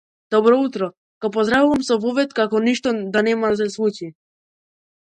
Добро утро, го поздравувам со вовед како ништо да нема да се случи.